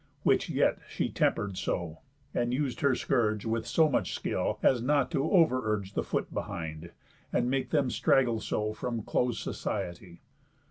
Which yet she temper'd so, and us'd her scourge With so much skill, as not to over urge The foot behind, and make them straggle so From close society.